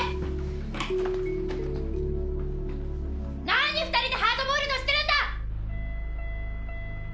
何２人でハードボイルドしてるんだ！